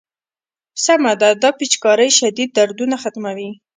سمه ده دا پيچکارۍ شديد دردونه ختموي.